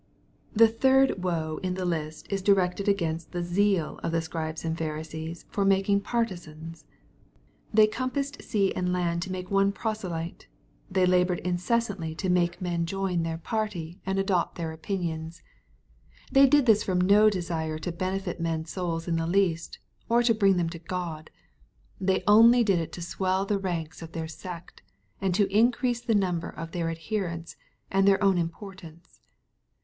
The third " woe" in the list is directed against the zeal of the Scribes and Pharisees for making partisans They " compassed sea and land to make one proselyte.* They labored incessantly to make men join their party MATTHEW, CHAP. XXIII. 303 and adopt their opinions. They did this from no desiro to benefit men's souls in the least, or to bring them to God. They only did it to swell the ranks of their sect, and to increase the number of their adherents, and their own importance.